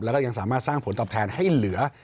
แล้วก็ยังสามารถสร้างผลตอบแทนให้เหลือ